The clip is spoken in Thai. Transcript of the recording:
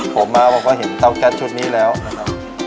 ผมมาบอกว่าเห็นเต้าแก๊สชุดนี้แล้วนะครับ